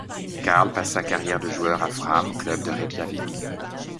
Karl passe sa carrière de joueur à Fram, club de Reykjavik.